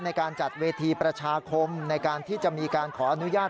ในการจัดเวทีประชาคมในการที่จะมีการขออนุญาต